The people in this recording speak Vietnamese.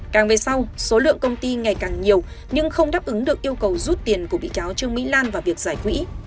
càng về sau số lượng công ty ngày càng nhiều nhưng không đáp ứng được yêu cầu rút tiền của bị cáo trương mỹ lan vào việc giải quỹ